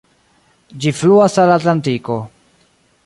Ĝi fluas al Atlantiko.